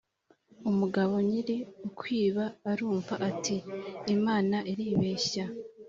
Umugabo nyiri ukwiba arumva, ati: Imana iribeshya."